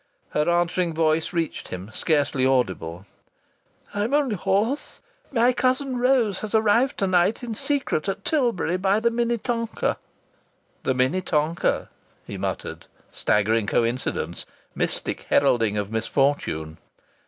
Her answering voice reached him, scarcely audible: "I'm only hoarse. My Cousin Rose has arrived to night in secret at Tilbury by the Minnetonka." "The Minnetonka!" he muttered. Staggering coincidence! Mystic heralding of misfortune!